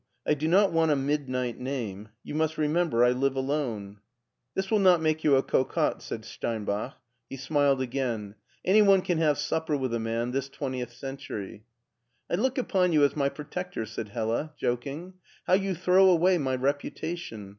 I do not want a midnight name. You must remember I live alone." ia6 MARTIN SCHULER '* This will not make you a cocotte," said Steinbach. He smiled again. '' Any one can have supper with a man this twentieth century." " I look upon you as my protector," said Hella, jok ing. " How you throw away my reputation